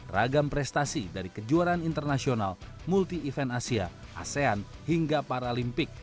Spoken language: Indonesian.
ragam prestasi dari kejuaraan internasional multi event asia asean hingga paralimpik